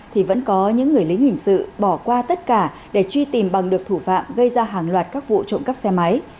thì vẫn có những người lính hình sự bỏ qua tất cả để truy tìm bằng được thủ phạm gây ra hàng loạt các vụ trộm cắp xe máy